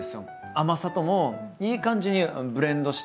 甘さともいい感じにブレンドして。